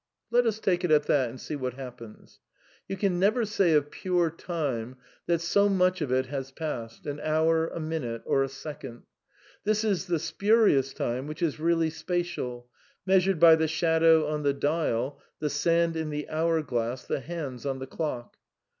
Let us take it at that and see what happens. You can never say of pure Time that so much of it has passed, an hour, a minute or a second. This is the spuri ous time which is really spatial, measured by the shadow on the dial, the sand in the hour glass, the hands on the ._ clock.